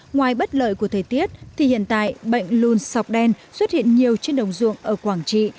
ngoài bất lợi của thời tiết thì hiện tại bệnh lùn sọc đen xuất hiện nhiều trên đồng ruộng ở quảng trị